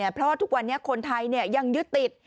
เพราะว่าทุกวันนี้คนไทยยังยึดติด